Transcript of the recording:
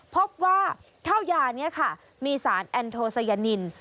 พบว่าข้าวยานี้ค่ะมีสารแอนโทไซยานิน